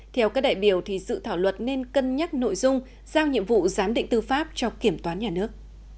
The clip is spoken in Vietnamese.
theo các đại biểu dự thảo luật nên cân nhắc nội dung giao nhiệm vụ giám định tư pháp cho kiểm toán nhà nước